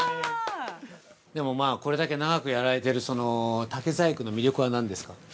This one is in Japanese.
でも、まあ、これだけ長くやられてる竹細工の魅力は何ですか。